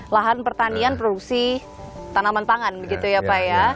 lahan pertanian produksi tanaman pangan begitu ya pak ya